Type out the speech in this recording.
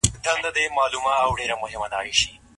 ايا ښځه شی رانیولای یا خرڅولای سي؟